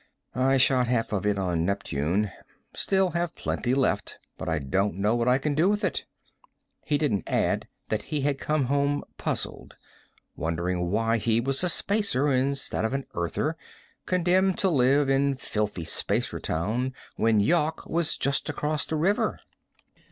I shot half of it on Neptune. Still have plenty left, but I don't know what I can do with it." He didn't add that he had come home puzzled, wondering why he was a Spacer instead of an Earther, condemned to live in filthy Spacertown when Yawk was just across the river.